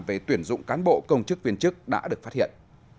về tuyển dụng cán bộ công chức viên chức đã được phát hiện